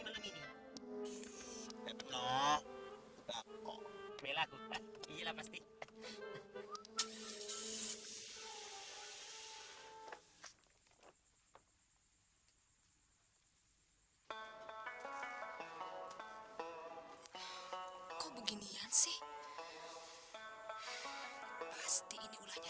tapi mau jual sapi